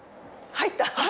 入った？